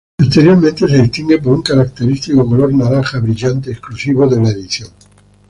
Exteriormente se distingue por un característico color naranja brillante exclusivo de la edición.